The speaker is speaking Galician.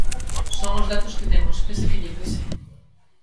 Son os datos que temos, pese a quen lle pese.